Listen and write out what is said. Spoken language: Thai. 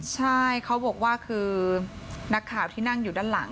ใช่เขาบอกว่าคือนักข่าวที่นั่งอยู่ด้านหลัง